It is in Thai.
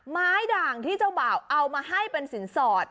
ไม้ด่างที่เจ้าบ่าวเอามาให้เป็นสินสอด